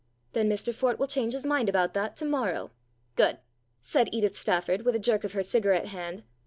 " Then Mr Fort will change his mind about that to morrow." " Good," said Edith Stafford, with a jerk of her cigarette hand.